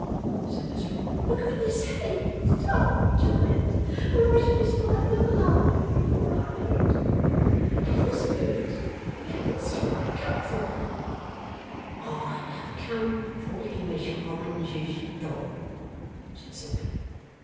said Miss Wren. 'For goodness' sake, stop, Giant, or I shall be swallowed up alive, before I know it. And to this minute you haven't said what you've come for.' 'I have come for little Miss Harmonses doll,' said Sloppy.